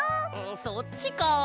そっちか。